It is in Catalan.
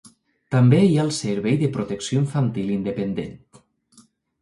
També hi ha el Servei de Protecció Infantil independent.